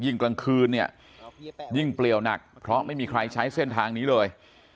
ยิ่งกลางคืนยิ่งเปรียวหนักเพราะไม่มีใครใช้เส้นทางนี้เลย